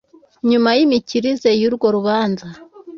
Nyuma y imikirize y urwo rubanza